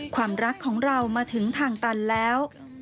ความรักของเรามาถึงทางตันแล้ว